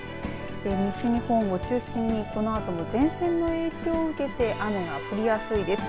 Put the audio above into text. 西日本を中心にこのあとも前線の影響を受けて雨が降りやすいです。